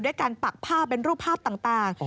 ด้วยการปักผ้าเป็นรูปภาพต่าง